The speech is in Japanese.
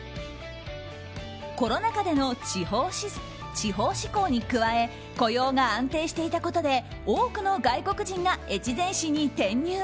コロナ禍での地方志向に加え雇用が安定していたことで多くの外国人が越前市に転入。